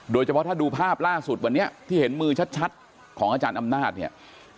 โดยเฉพาะถ้าดูภาพล่าสุดวันนี้ที่เห็นมือชัดของอาจารย์อำนาจเนี่ย